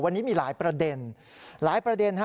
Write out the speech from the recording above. วันนี้มีหลายประเด็นหลายประเด็น